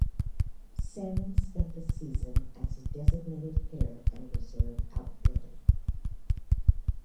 Salmon spent the season as a designated hitter and reserve outfielder.